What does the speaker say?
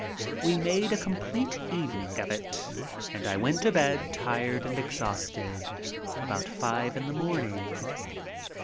We made a complete evening of it and I went to bed tired and exhausted about five in the morning.